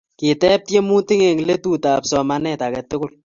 Kitebu tyemutik eng' letutab somanet age tugul